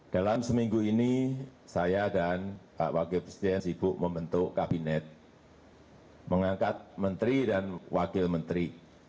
dalam seminggu ini saya dan pak wakil presiden sibuk membentuk kabinet mengangkat menteri dan wakil menteri